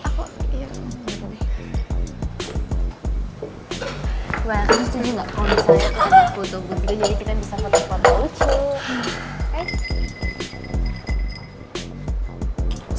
wah kamu setuju gak kalo misalnya aku ambil foto gue juga jadi kita bisa foto foto lucu